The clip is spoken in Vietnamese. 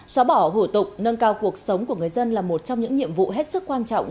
xóa bỏ hủ tục nâng cao cuộc sống của người dân là một trong những nhiệm vụ hết sức quan trọng